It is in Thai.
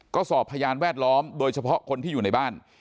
ก็สอบพยานแวดล้อมโดยเฉพาะคนที่อยู่ในบ้าน